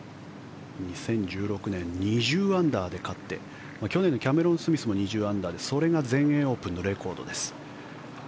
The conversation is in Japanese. ２０１６年２０アンダーで勝って去年のキャメロン・スミスも２０アンダーでそれが全英オープンのレコードです。